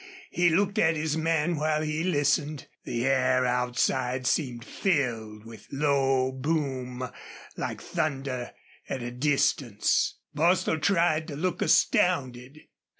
He looked at his man while he listened. The still air outside seemed filled with low boom, like thunder at a distance. Bostil tried to look astounded.